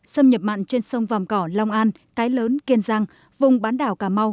xâm nhập mặn trên sông vàm cỏ long an cái lớn kiên giang vùng bán đảo cà mau